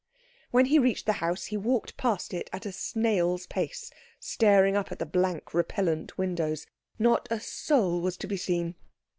When he reached the house he walked past it at a snail's pace, staring up at the blank, repellent windows. Not a soul was to be seen.